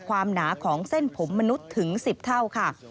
หนาของเส้นผมมนุษย์ถึง๑๐เท่าค่ะ